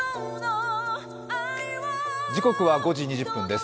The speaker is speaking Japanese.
時刻は５時２０分です。